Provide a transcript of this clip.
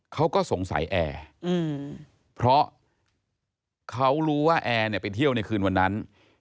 เขาก็สงสัยแอร์เพราะเขารู้ว่าแอร์เนี่ยไปเที่ยวในคืนวันนั้น